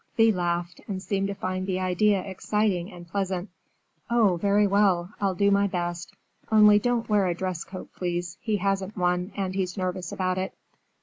Thea laughed, and seemed to find the idea exciting and pleasant. "Oh, very well! I'll do my best. Only don't wear a dress coat, please. He hasn't one, and he's nervous about it."